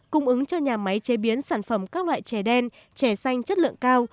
cung ứng cho nhà máy chế biến sản phẩm các loại trè đen trè xanh chất lượng cao